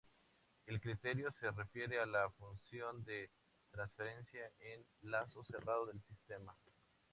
El criterio se refiere a la función de transferencia en lazo cerrado del sistema.